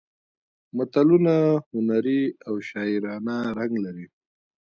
متلونه هنري او شاعرانه رنګ لري